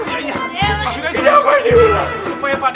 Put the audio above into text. coba yang paham kejadiannya